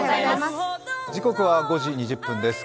時刻は５時２０分です。